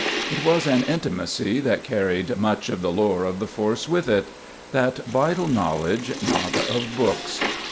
It was an intimacy that carried much of the lore of the force with it: that vital knowledge not of books.